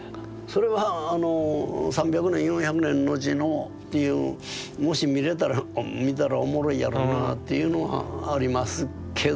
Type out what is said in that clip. それはあの３００年４００年のちのっていうもし見れたら見たらおもろいやろなあっていうのはありますけど。